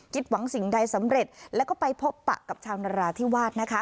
หวังสิ่งใดสำเร็จแล้วก็ไปพบปะกับชาวนราธิวาสนะคะ